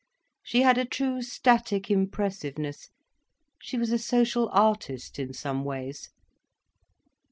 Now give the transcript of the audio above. She had a true static impressiveness, she was a social artist in some ways.